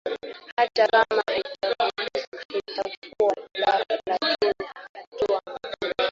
hata kama haitafua ndafu lakini hatua muhimu